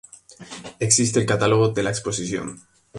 Existe el catálogo de la exposición.